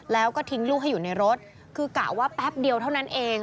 แล้วก็ทิ้งลูกให้อยู่ในรถคือกะว่าแป๊บเดียวเท่านั้นเอง